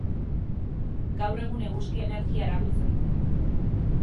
Gaur egun eguzki energia erabiltzen du.